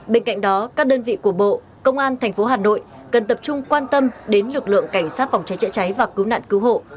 bên cạnh đó các đơn vị của bộ công an tp hà nội cần tập trung quan tâm đến lực lượng cảnh sát phòng cháy chữa cháy và cứu nạn cứu hộ